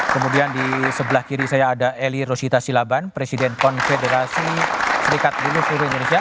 kemudian di sebelah kiri saya ada eli rosita silaban presiden konfederasi serikat buruh seluruh indonesia